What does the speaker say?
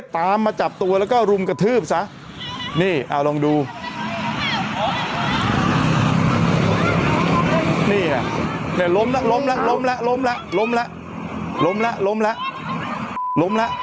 เลยตามมาจับตัวแล้วก็ลุมกระทืบซะก็เลยตามมาจับตัวแล้วก็ลุมกระทืบซะ